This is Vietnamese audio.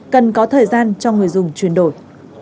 cần có thời gian cho người dùng chuyển đổi